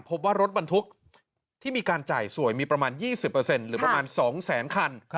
พบว่ารถบรรทุกที่มีการจ่ายสวยมีประมาณ๒๐หรือประมาณ๒แสนคัน